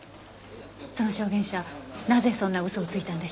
その証言者なぜそんな嘘をついたんでしょう？